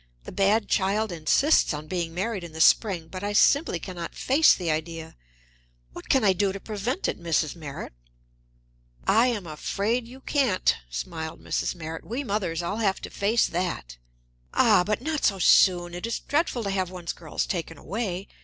"The bad child insists on being married in the spring, but I simply can not face the idea. What can I do to prevent it, Mrs. Merritt?" "I am afraid you can't," smiled Mrs. Merritt. "We mothers all have to face that." "Ah, but not so soon! It is dreadful to have one's girls taken away.